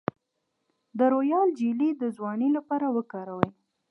د رویال جیلی د ځوانۍ لپاره وکاروئ